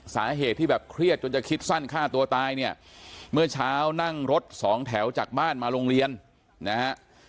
สาเหตุที่แบบเครียดจนจะคิดสั้นฆ่าตัวตายเนี่ยเมื่อเช้านั่งรถสองแถวจากบ้านมาโรงเรียนนะฮะ